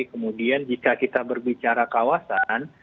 kemudian jika kita berbicara kawasan